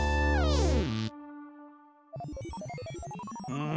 うん。